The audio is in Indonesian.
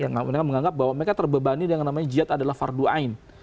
yang mereka menganggap bahwa mereka terbebani dengan namanya jihad adalah fardu ain